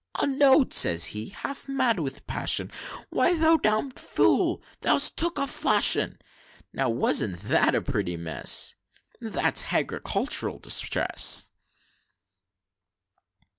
'A note,' says he, half mad with passion, 'Why, thou dom'd fool! thou'st took a flash 'un!' Now, wasn't that a pretty mess? That's Hagricultural Distress."